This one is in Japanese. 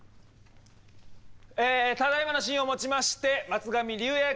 ただいまのシーンをもちまして松上竜也役